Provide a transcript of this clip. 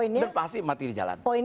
dan pasti mati di jalan